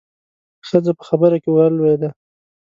ښځه په خبره کې ورولوېدله.